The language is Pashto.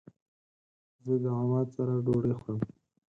زه د عماد سره ډوډی خورم